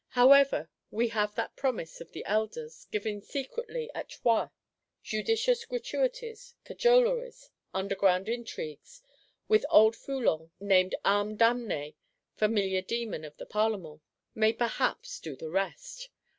—However, we have that promise of the Elders, given secretly at Troyes. Judicious gratuities, cajoleries, underground intrigues, with old Foulon, named "Ame damnée, Familiar demon, of the Parlement," may perhaps do the rest.